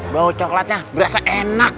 bau coklatnya berasa enak